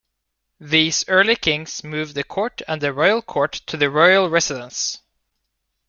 These early kings moved the court and the royal court to the royal residence.